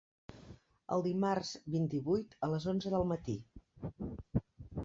El dimarts vint-i-vuit a les onze del matí.